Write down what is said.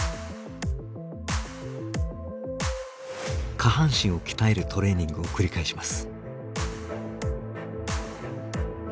下半身を鍛えるトレーニングを繰り返します。